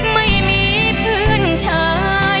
ไม่มีเพื่อนชาย